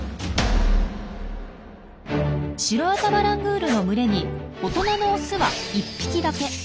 シロアタマラングールの群れに大人のオスは１匹だけ。